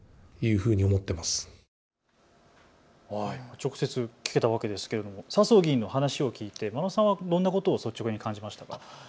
直接、聞けたわけですけれども笹生議員の話を聞いて眞野さんはどんなことを率直に感じましたか。